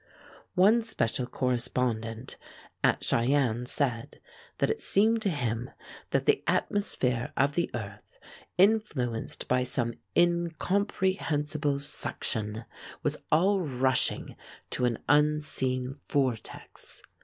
One special correspondent at Cheyenne said "that it seemed to him that the atmosphere of the earth, influenced by some incomprehensible suction, was all rushing to an unseen vortex.